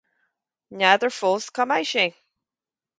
ní fheadar fós cá mbeidh mé